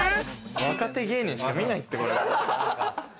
若手芸人しか見ないって、これ。